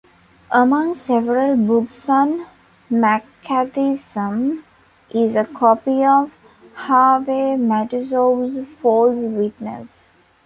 Among several books on McCarthyism is a copy of Harvey Matusow's "False Witness".